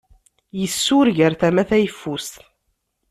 Isureg ɣer tama tayeffust.